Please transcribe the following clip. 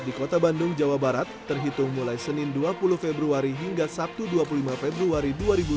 di kota bandung jawa barat terhitung mulai senin dua puluh februari hingga sabtu dua puluh lima februari